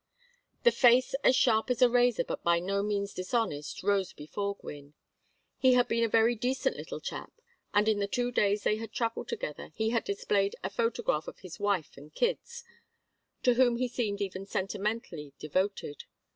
The face as sharp as a razor but by no means dishonest rose before Gwynne. He had been a very decent little chap, and in the two days they had travelled together he had displayed a photograph of his wife and "kids," to whom he seemed even sentimentally devoted.